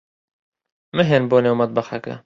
مەھێن بۆ نێو مەتبەخەکە.